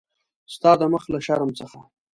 ستا د مخ له شرم څخه.